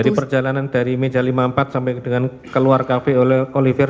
dari perjalanan dari meja lima puluh empat sampai dengan keluar cafe oleh olivier